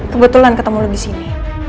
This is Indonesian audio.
kebetulan ketemu lo di sini